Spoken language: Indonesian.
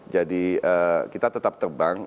jadi kita tetap terbang